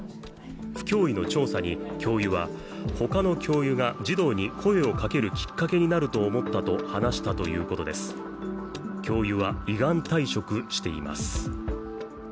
府教委の調査に、教諭は他の教諭が児童に声をかけるきっかけになると思ったと話したということです。